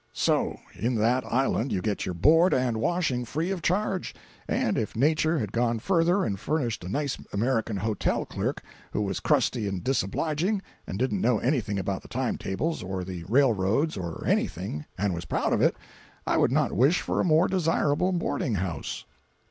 So, in that island you get your board and washing free of charge—and if nature had gone further and furnished a nice American hotel clerk who was crusty and disobliging, and didn't know anything about the time tables, or the railroad routes—or—anything—and was proud of it—I would not wish for a more desirable boarding house.